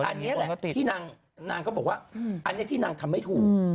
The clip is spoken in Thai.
อันนี้แหละที่นางก็บอกว่าอันนี้ที่นางทำไม่ถูก